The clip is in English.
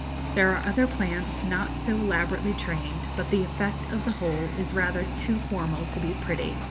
There are other plants not so elaborately trained, but the effect of the whole is rather too formal to be pretty.